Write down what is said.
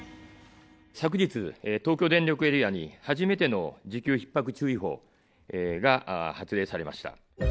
昨日、東京電力エリアに初めての需給ひっ迫注意報が発令されました。